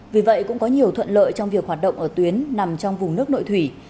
vì vậy cũng có nhiều thuận lợi trong việc hoạt động ở tuyến nằm trong vùng nước nội thủy